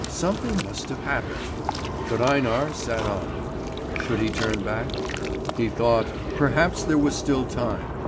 Something must have happened. But Einar sat on. Should he turn back? he thought; perhaps there was still time.